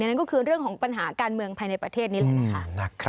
นั่นก็คือเรื่องของปัญหาการเมืองภายในประเทศนี้แหละนะคะ